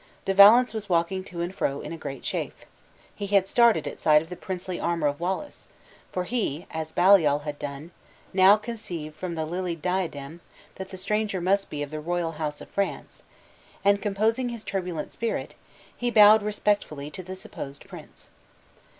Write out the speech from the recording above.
De Valence was walking to and fro in a great chafe; he started at sight of the princely armor of Wallace (for he, as Baliol had done, now conceived, from the lilied diadem, that the stranger must be of the royal house of France); and composing his turbulent spirit, he bowed respectfully to the supposed prince.